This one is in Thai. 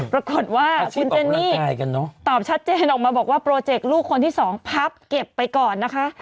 ปรากฏว่าคุณเจนนี่ตอบชัดเจนออกมาบอกว่าโปรเจกต์ลูกคนที่สองพับเก็บไปก่อนนะคะ